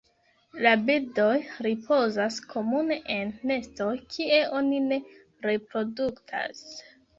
La birdoj ripozas komune en nestoj kie oni ne reproduktas.